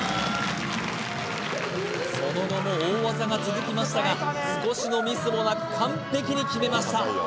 その後も大技が続きましたが少しのミスもなく完璧に決めました